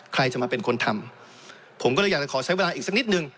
ใครจะมาเป็นคนทำผมก็เลยอยากจะขอใช้เวลาอีกสักนิดนึง